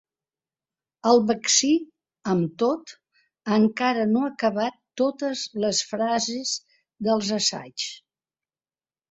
El vaccí, amb tot, encara no ha acabat totes les frases dels assaigs.